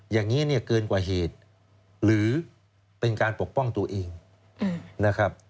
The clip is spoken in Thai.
อย่างนี้เนี่ยเกินกว่าเหตุหรือเป็นการปกป้องตัวเองนะครับ